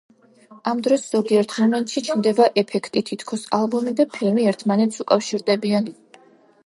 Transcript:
ამ დროს ზოგიერთ მომენტში ჩნდება ეფექტი, თითქოს ალბომი და ფილმი ერთმანეთს უკავშირდებიან.